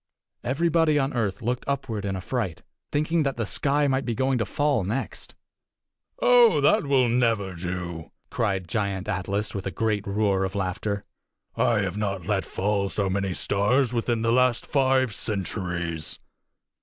Everybody on earth looked upward in affright, thinking that the sky might be going to fall next. "Oh, that will never do!" cried Giant Atlas with a great roar of laughter. "I have not let fall so many stars within the last five centuries.